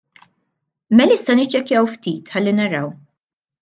Mela issa niċċekkjaw ftit ħalli naraw.